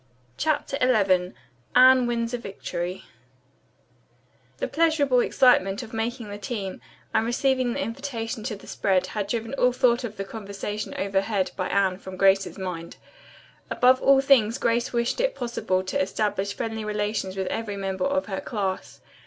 CHAPTER XI ANNE WINS A VICTORY The pleasurable excitement of making the team and receiving the invitation to the spread had driven all thought of the conversation overheard by Anne from Grace's mind. Above all things Grace wished if possible to establish friendly relations with every member of her class.